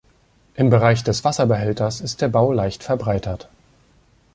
Im Bereich des Wasserbehälters ist der Bau leicht verbreitert.